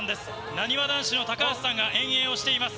なにわ男子の高橋さんが遠泳をしています。